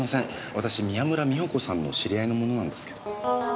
私宮村美保子さんの知り合いの者なんですけど。